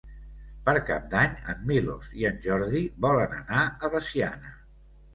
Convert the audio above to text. Per Cap d'Any en Milos i en Jordi volen anar a Veciana.